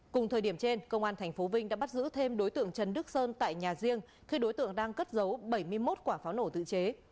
cùng thời điểm trên công an tp vinh đã bắt giữ thêm đối tượng trần đức sơn tại nhà riêng khi đối tượng đang cất giấu bảy mươi một quả pháo nổ tự chế